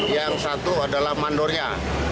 yang satu adalah mandornya